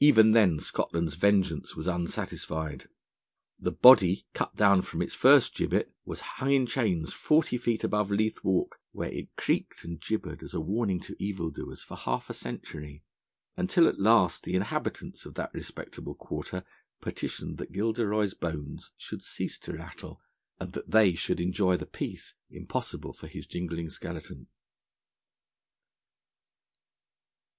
Even then Scotland's vengeance was unsatisfied. The body, cut down from its first gibbet, was hung in chains forty feet above Leith Walk, where it creaked and gibbered as a warning to evildoers for half a century, until at last the inhabitants of that respectable quarter petitioned that Gilderoy's bones should cease to rattle, and that they should enjoy the peace impossible for his jingling skeleton.